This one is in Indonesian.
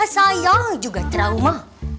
sayang juga trauma